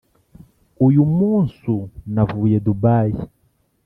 Uyu munsu navuye dubayi